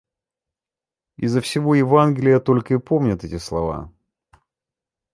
Изо всего Евангелия только и помнят эти слова.